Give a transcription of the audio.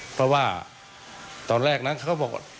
เพราะว่าตอนแรกนั้นเขาก็บอก